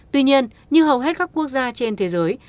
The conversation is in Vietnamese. tuy nhiên như hầu hết các quốc gia trên thế giới